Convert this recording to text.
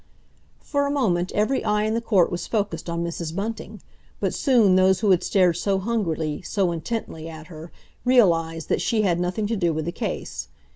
For a moment every eye in the court was focused on Mrs. Bunting, but soon those who had stared so hungrily, so intently, at her, realised that she had nothing to do with the case.